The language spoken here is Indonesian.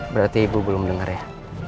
berarti ibu belum dengar ya